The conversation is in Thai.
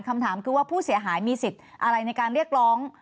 คำถามคือว่าผู้เสียหายมีสิทธิ์อะไรในการเรียกร้อง